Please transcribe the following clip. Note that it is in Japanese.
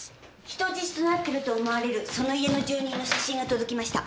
人質となってると思われるその家の住人の写真が届きました。